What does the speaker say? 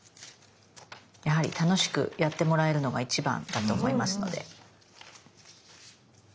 やはり楽しくやってもらえるのが一番だと思いますので。